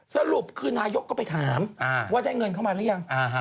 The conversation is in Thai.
สรุปคือนายกก็ไปถามว่าได้เงินเข้ามาหรือยัง